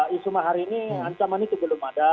di sumah hari ini ancaman itu belum ada